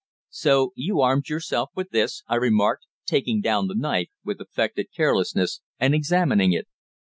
"So you armed yourself with this?" I remarked, taking down the knife with affected carelessness, and examining it.